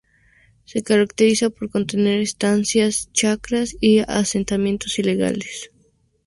Se caracteriza por contener estancias, chacras y asentamientos ilegales.